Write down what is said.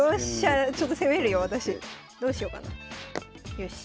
よし。